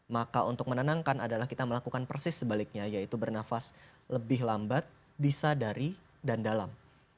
maka untuk menenangkan adalah kita melakukan persis sebaliknya yaitu bernafas lebih lambat bisa dari dan dalam